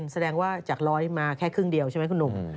แสดงว่าจากร้อยมาแค่ครึ่งเดียวใช่ไหมคุณหนุ่ม